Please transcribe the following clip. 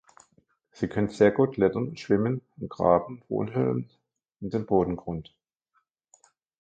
Sie können sehr gut klettern und schwimmen und graben Wohnhöhlen in den Bodengrund.